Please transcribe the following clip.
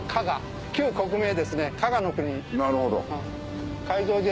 なるほど。